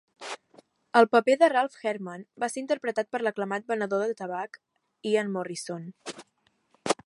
El paper de Ralph Herdman va ser interpretat per l'aclamat venedor de tabac Ian Morrison.